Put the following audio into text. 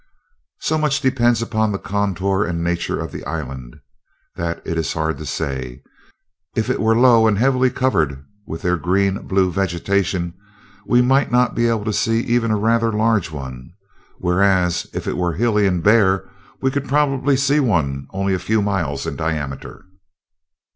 "So much depends upon the contour and nature of the island, that it is hard to say. If it were low and heavily covered with their green blue vegetation, we might not be able to see even a rather large one, whereas if it were hilly and bare, we could probably see one only a few miles in diameter."